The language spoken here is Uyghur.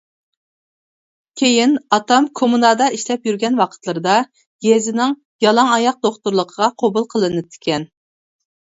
كېيىن ئاتام كوممۇنادا ئىشلەپ يۈرگەن ۋاقىتلىرىدا يېزىنىڭ «يالاڭ ئاياق دوختۇر» لىقىغا قوبۇل قىلىنىپتىكەن.